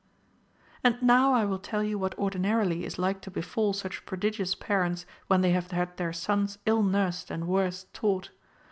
And now I will tell you what ordinarily is like to befall such prodigious parents, when they have had their sons ill nursed and worse taught.